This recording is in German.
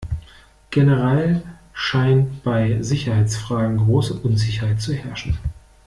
Generell scheint bei Sicherheitsfragen große Unsicherheit zu herrschen.